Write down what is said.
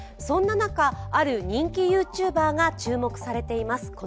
そんな中、ある人気ＹｏｕＴｕｂｅｒが注目されています。